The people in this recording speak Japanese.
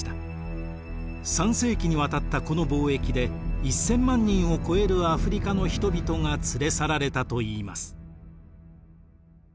３世紀にわたったこの貿易で１，０００万人を超えるアフリカの人々が連れ去られたといいます。